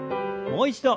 もう一度。